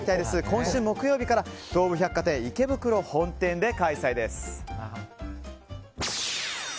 今週木曜日から東武百貨店池袋本店で開催です。